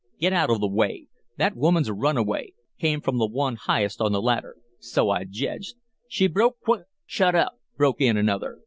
"Get out of the way. That woman's a runaway," came from the one highest on the ladder. "So I jedge." "She broke qu " "Shut up!" broke in another.